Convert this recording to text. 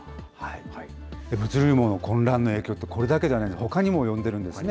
物流網の混乱の影響ってこれだけではなくて、ほかにも及んでいるんですね。